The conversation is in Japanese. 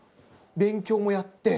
勉強もやって？